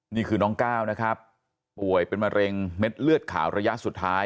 นี่คือน้องก้าวนะครับป่วยเป็นมะเร็งเม็ดเลือดขาวระยะสุดท้าย